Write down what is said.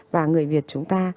và người việt chúng ta